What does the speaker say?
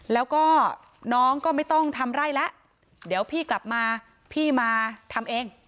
แล้วก็น้องก็ไม่ต้องทำไร่แล้วเดี๋ยวพี่กลับมาพี่มาทำเอง